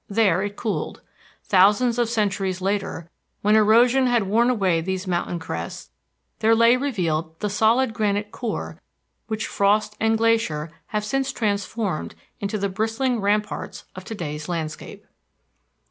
There it cooled. Thousands of centuries later, when erosion had worn away these mountain crests, there lay revealed the solid granite core which frost and glacier have since transformed into the bristling ramparts of to day's landscape.